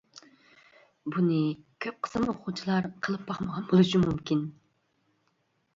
بۇنى كۆپ قىسىم ئوقۇغۇچىلار قىلىپ باقمىغان بولۇشى مۇمكىن.